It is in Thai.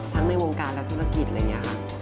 ในวงการและธุรกิจอะไรอย่างนี้ค่ะ